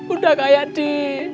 udah kayak di